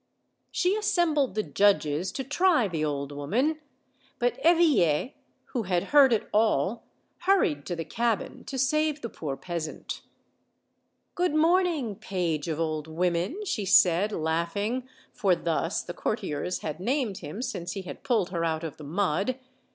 She assembled the judges to try the old woman, but Eveille, who had heard it all, hurried to the cabin to save the poor peasant. "Good morning, Page of Old Women," she said, laugh ing (for thus the courtiers had named him since he had pulled her out of the mud).